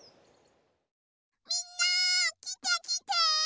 みんなきてきて！